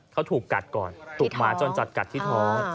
เขาถูกกัดก่อนถูกหมาจรจัดกัดที่ท้อง